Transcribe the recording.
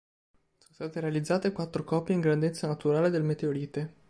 Sono state realizzate quattro copie in grandezza naturale del meteorite.